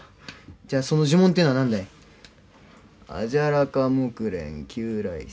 じゃあその呪文ってえのはなんだい？アジャラカモクレンキューライス。